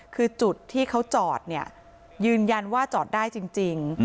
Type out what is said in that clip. คือจุดที่เขาจอดเนี่ยยืนยันว่าจอดได้จริง